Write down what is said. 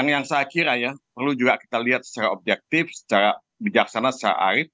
yang saya kira ya perlu juga kita lihat secara objektif secara bijaksana secara aib